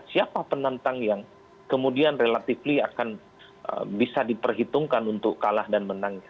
siapa penantang yang kemudian relatifly akan bisa diperhitungkan untuk kalah dan menang